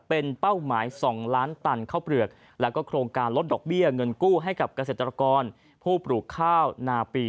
เป็นเป้าหมาย๒ล้านตันข้าวเปลือกแล้วก็โครงการลดดอกเบี้ยเงินกู้ให้กับเกษตรกรผู้ปลูกข้าวนาปี